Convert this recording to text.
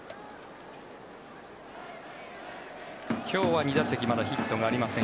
今日は２打席まだヒットはありません。